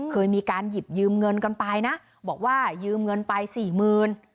เคยมีการหยิบยืมเงินกันไปนะบอกว่ายืมเงินไปสี่หมื่น